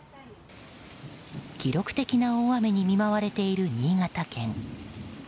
記録的な大雨に見舞われている新潟県。